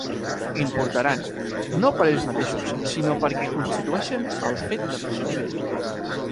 Importaran, no per ells mateixos, sinó perquè constitueixen el fet de major nivell.